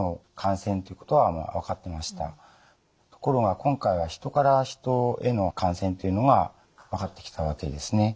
ところが今回はヒトからヒトへの感染というのが分かってきたわけですね。